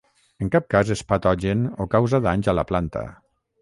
En cap cas és patogen o causa danys a la planta.